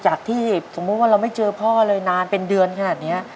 จากที่สมมุติว่าเราไม่เจอพ่อเลยนานเป็นเดือนขนาดนี้